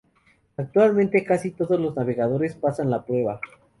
Actualmente casi todos los navegadores pasan la prueba.